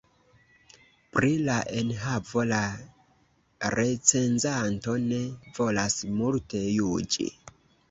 Pri la enhavo la recenzanto ne volas multe juĝi.